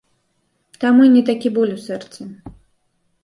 Таму і не такі боль у сэрцы.